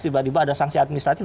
tiba tiba ada sanksi administratif